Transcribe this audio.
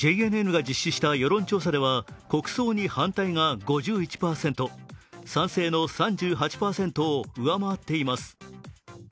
ＪＮＮが実施した世論調査では、国葬に反対が５１％、賛成の３８％を上回っています。